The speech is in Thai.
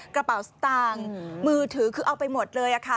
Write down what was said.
กระเป๋าสตางค์มือถือคือเอาไปหมดเลยค่ะ